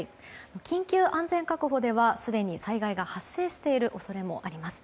緊急安全確保ではすでに災害が発生している恐れもあります。